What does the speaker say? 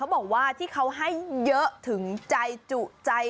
บอกว่าที่เขาให้เยอะถึงใจจุใจ